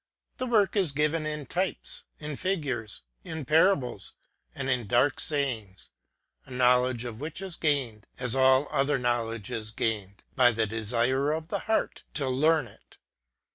The work is given in types, in figures, in parables, and מז dark sayings, a knowledge of which is gained, as all other knowledge is gained, by the desire of the heart to learn it.